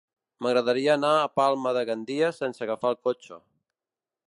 M'agradaria anar a Palma de Gandia sense agafar el cotxe.